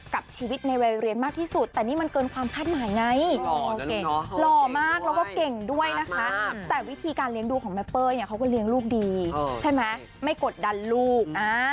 การเลี้ยงดูของแม่เป้อยเนี่ยเขาก็เลี้ยงลูกดีใช่ไหมไม่กดดันลูก